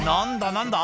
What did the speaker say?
何だ？